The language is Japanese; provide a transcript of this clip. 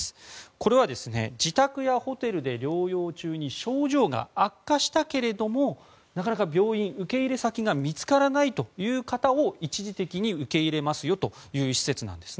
これは自宅やホテルで療養中に症状が悪化したけれどもなかなか病院、受け入れ先が見つからないという方を一時的に受け入れますよという施設なんです。